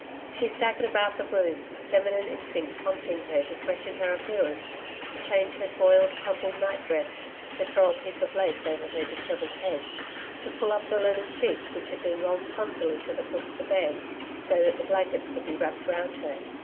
She staggered about the room, feminine instinct prompting her to freshen her appearance, to change her soiled, crumpled nightdress, to throw a piece of lace over her dishevelled head, to pull up the linen sheets which had been rolled clumsily to the foot of the bed, so that the blankets could be wrapped round her.